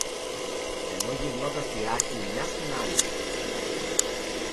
ενώ γυρνώντας τη ράχη η μια στην άλλη